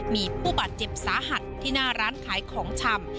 มีผู้บาดเจ็บสาหัสที่หน้าร้านขายของชำ